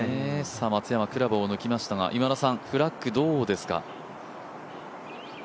松山クラブを抜きましたがどうですか？